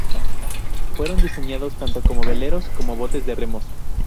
Fueron diseñados tanto como veleros como botes de remos.